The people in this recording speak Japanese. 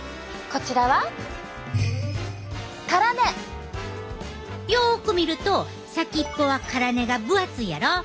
こちらはよく見ると先っぽは辛根が分厚いやろ。